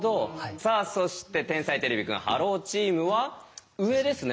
さあそして天才てれびくんｈｅｌｌｏ，チームは上ですね。